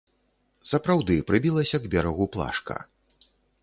Сапраўды прыбілася к берагу плашка.